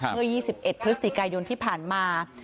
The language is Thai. เมื่อ๒๑พฤศจิกายนที่ผ่านมา